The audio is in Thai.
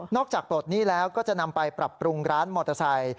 จากปลดหนี้แล้วก็จะนำไปปรับปรุงร้านมอเตอร์ไซค์